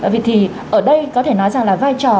vậy thì ở đây có thể nói rằng là vai trò